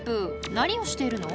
何をしているの？